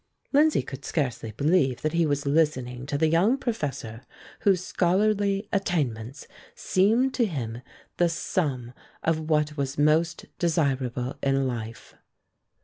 Lindsay could scarcely believe that he was listening to the young professor whose scholarly attainments seemed to him the sum of what was most desirable in life.